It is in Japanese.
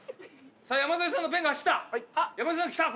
さあ山添さんのペンが走った。